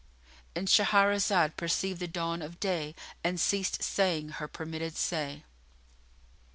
——And Shahrazad perceived the dawn of day and ceased saying her permitted say.